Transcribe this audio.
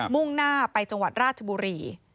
มุ่งหน้าไปจังหวัดราชบุรี